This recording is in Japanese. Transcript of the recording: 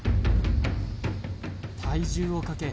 体重をかけ